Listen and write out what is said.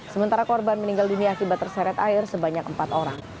sementara korban meninggal dunia akibat terseret air sebanyak empat orang